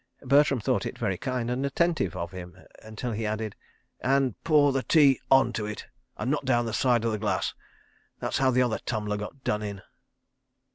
Bertram thought it very kind and attentive of him—until he added: "And pour the tea on to it, and not down the side of the glass. ... That's how the other tumbler got done in.